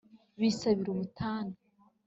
bisabira ubutane